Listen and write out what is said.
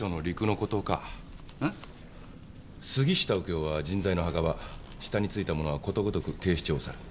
杉下右京は人材の墓場下についた者はことごとく警視庁を去る。